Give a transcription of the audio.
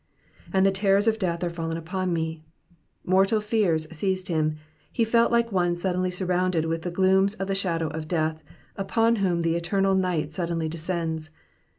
'^And the terrors of death are fallen upon me,'*'' Mortal fears seized him, he felt like one suddenly surrounded with the glooms of the shadow of death, upon whom the eternal night suddenly descends.